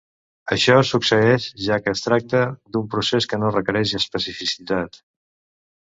Això succeeix, ja que es tracta d'un procés que no requereix especificitat.